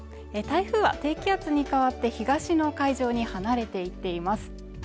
台風は低気圧に変わって東の海上に離れていっています